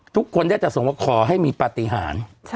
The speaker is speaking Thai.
ทุกคนได้แต่ส่งว่าขอให้มีปฏิหาร